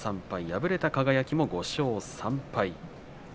敗れた輝も５勝３敗。